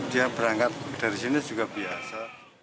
dia berangkat dari sini juga biasa